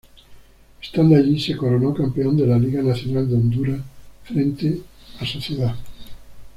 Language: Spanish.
Estando allí se coronó campeón de la Liga Nacional de Honduras, frente a Sociedad.